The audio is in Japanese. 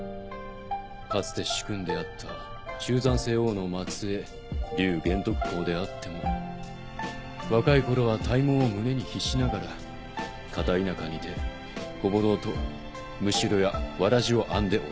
かつて主君であった中山靖王の末裔劉玄徳公であっても若いころは大望を胸に秘しながら片田舎にてご母堂とむしろやわらじを編んでおりました。